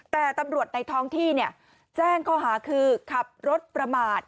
แต่ตำรวจในท้องที่แจ้งข้อหาคือขับรถประมาท